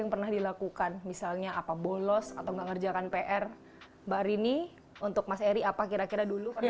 yang pernah dilakukan misalnya apa bolos atau nggak ngerjakan pr mbak rini untuk mas eri apa kira kira dulu